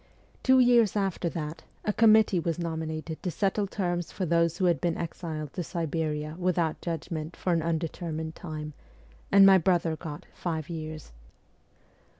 Two years after that, a committee was nominated to settle terms for those who had been exiled to Siberia without judgment for an undetermined time, and my brother got five years.